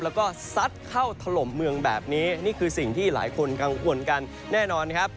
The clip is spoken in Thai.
แล้วก็ซัดเข้าถล่มเมืองแบบนี้นี่คือสิ่งที่หลายคนกังวลกันแน่นอนครับ